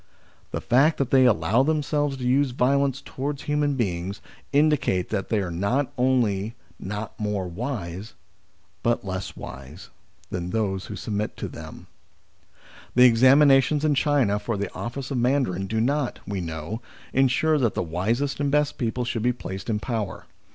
The fact that they allow themselves to use violence towards human beings, indicates that they are not only not more wise, but less wise 102 THE SLAVERY OF OUR TIMES than those who submit to them The examinations in China for the office of Mandarin do not, we know, ensure that the wisest and best people should be placed in power.